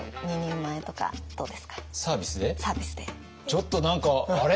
ちょっと何かあれ？